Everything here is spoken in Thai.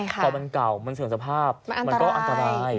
พอมันเก่ามันเสื่อมสภาพมันก็อันตราย